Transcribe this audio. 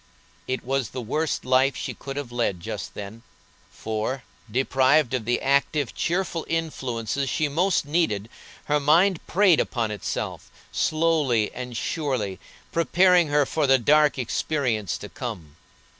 It was the worst life she could have led just then, for, deprived of the active, cheerful influences she most needed, her mind preyed on itself, slowly and surely, preparing her for the dark experience to come.